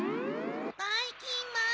ばいきんまん